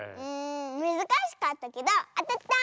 むずかしかったけどあたった！